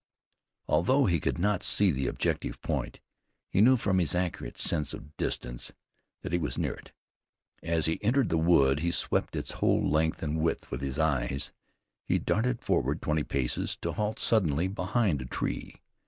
Although he could not see the objective point, he knew from his accurate sense of distance that he was near it. As he entered the wood he swept its whole length and width with his eyes, he darted forward twenty paces to halt suddenly behind a tree.